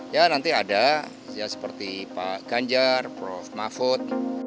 ya nanti ada ya seperti pak ganjar prof mahfud